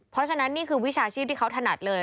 เพราะฉะนั้นนี่คือวิชาชีพที่เขาถนัดเลย